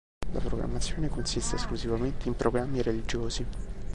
La programmazione consiste esclusivamente in programmi religiosi.